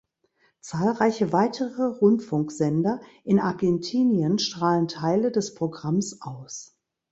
Zahlreiche weitere Rundfunksender in Argentinien strahlen Teile des Programms aus.